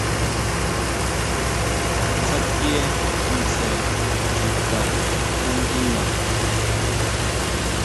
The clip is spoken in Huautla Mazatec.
Tsákie tsjen chuta nanguina.